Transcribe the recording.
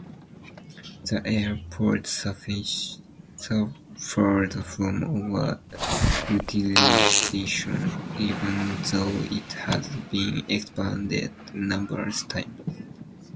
The airport suffered from over-utilization, even though it had been expanded numerous times.